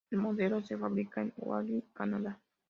El modelo se fabrica en Oakville, Canadá.